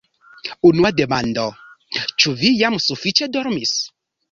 Unua demando, ĉu vi jam sufiĉe dormis?